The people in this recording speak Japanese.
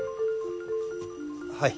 はい。